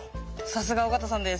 さすが尾形さんです。